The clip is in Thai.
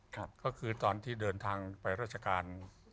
ที่คิดว่าตอนที่เดินทางไปราชการ